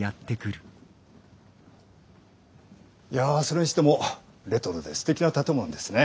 いやそれにしてもレトロですてきな建物ですね。